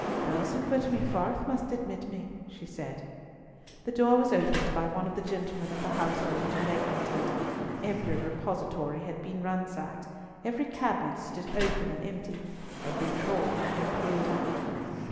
"Those who put me forth must admit me," she said. The door was opened by one of the gentlemen of the household, and they entered. Every repository had been ransacked, every cabinet stood open and empty, every drawer had been pulled out.